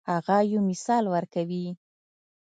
هغه یو مثال ورکوي.